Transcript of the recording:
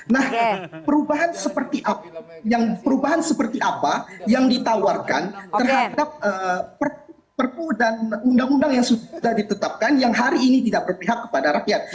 nah perubahan seperti apa yang ditawarkan terhadap perpu dan undang undang yang sudah ditetapkan yang hari ini tidak berpihak kepada rakyat